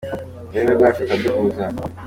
Ururimi rwacu rukaduhuza